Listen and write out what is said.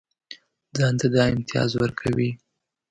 ځان ته دا امتیاز ورکوي.